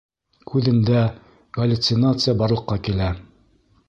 — Күҙендә галлюцинация барлыҡҡа килә.